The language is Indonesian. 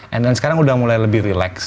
and then sekarang udah mulai lebih relax